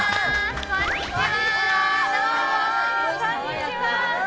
こんにちは！